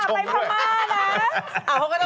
สหายไปพระมาร่ะ